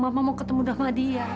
mama mau ketemu sama dia